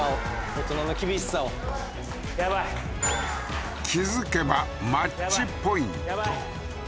大人の厳しさをやばい気づけばマッチポイント